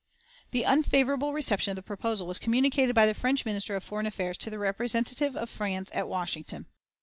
The unfavorable reception of the proposal was communicated by the French Minister of Foreign Affairs to the representative of France at Washington.